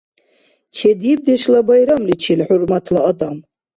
Чедибдешла байрамличил, хӀурматла адам!